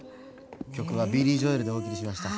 曲はビリー・ジョエルでお送りしました。